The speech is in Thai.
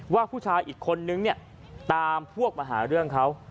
ว่าผู้ชายอีกคนนึงเนี่ยตามพวกมาหาเรื่องเขา